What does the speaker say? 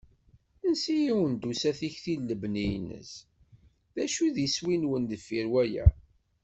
Ansi i awen-d-tusa tikti n lebni-ines? D acu i d iswi-nwen deffir waya?